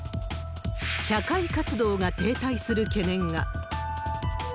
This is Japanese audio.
社会活動が停滞する懸念が。